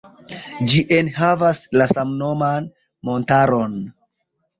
Ĝi enhavas la samnoman montaron.